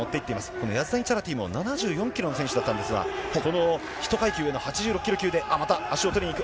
このヤズダニチャラティも７４キロの選手だったんですが、１階級上の８６キロ級で、また足を取りにいく。